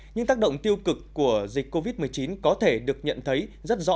những tác động tiêu cực của dịch covid một mươi chín có thể được nhận thấy rất rõ